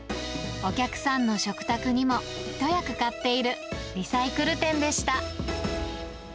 お客さんの食卓にも一役買っているリサイクル店でした。